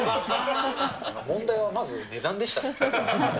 問題はまず、値段でしたね。